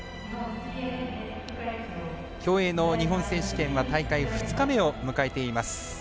競泳の日本選手権は大会２日目を迎えています。